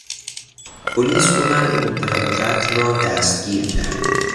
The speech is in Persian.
پلیس دو مرد متهم به قتل را دستگیر کرد.